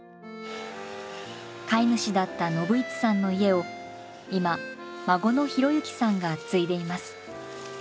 飼い主だった信市さんの家を今孫の博之さんが継いでいます。